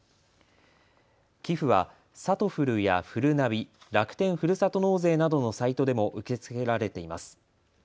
寄付は、さとふるやふるなび、楽天ふるさと納税などのサイトでも受け付けられています。